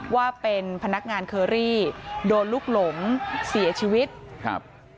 ว่าเป็นพนักงานเคอรี่โดนลูกหลงเสียชีวิตครับ